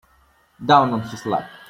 Down on his luck.